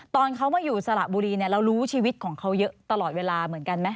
ตอนเขามาอยู่สระบุรีเนี่ยเรารู้ชีวิตของเขาเยอะตลอดเวลาเหมือนกันไหม